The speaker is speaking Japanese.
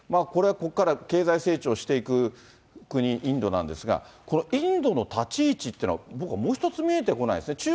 これ、ここから経済成長していく国、インドなんですが、このインドの立ち位置っていうのは、僕はもう一つ、見えてこないですね。